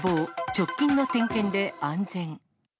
直近の点検で安全。